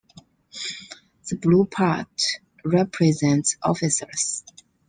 The blue part represents officers.